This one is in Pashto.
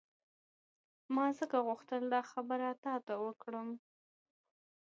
ما ځکه وغوښتل دا خبره تا ته وکړم.